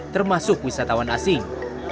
termasuk wisatawan asing